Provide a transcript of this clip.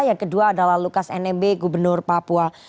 yang kedua adalah lukas nmb gubernur papua